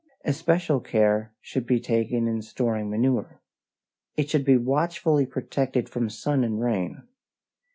Especial care should be taken in storing manure. It should be watchfully protected from sun and rain.